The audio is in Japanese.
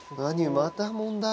また問題？